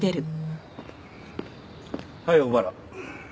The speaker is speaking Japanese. はい小原。